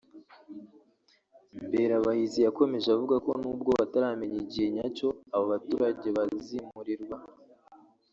Mberabahizi yakomeje avuga ko nubwo bataramenya igihe nyacyo aba baturage bazimurirwa